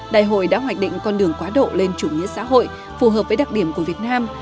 đại hội đã hoạch định con đường quá độ lên chủ nghĩa xã hội phù hợp với đặc điểm của việt nam